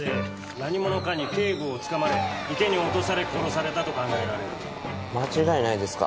何者かに頸部をつかまれ池に落とされ殺されたと考えられる間違いないですか？